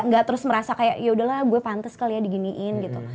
gak terus merasa kayak yaudahlah gue pantes kali ya diginiin gitu